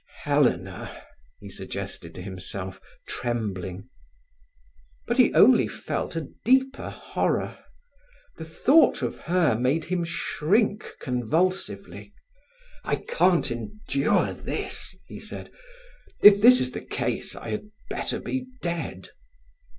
"Helena!" he suggested to himself, trembling. But he only felt a deeper horror. The thought of her made him shrink convulsively. "I can't endure this," he said. If this is the case, I had better be dead.